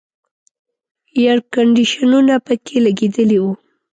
اییر کنډیشنونه پکې لګېدلي وو.